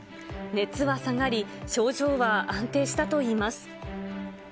熱は下がり、症状は安定したといいます。